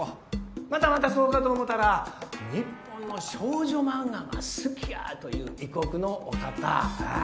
またまたそうかと思たら日本の少女漫画が好きやという異国のお方。